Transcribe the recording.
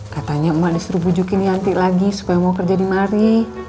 katanya emak disuruh bujukin yanti lagi supaya mau kerja dimari